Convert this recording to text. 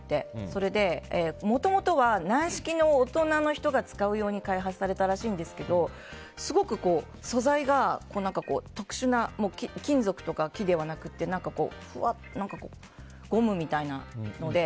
それで、もともとは軟式の大人の人が使うように開発されたらしいですがすごく素材が特殊な、金属とか木ではなくてゴムみたいなので。